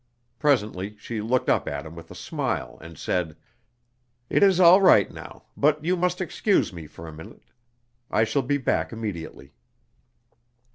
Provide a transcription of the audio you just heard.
Presently she looked up at him with a smile and said: "It is all right now, but you must excuse me for a minute. I shall be back immediately."